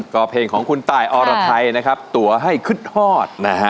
ก็เพลงของคุณตายอรไทยนะครับตัวให้คึดฮอดนะฮะ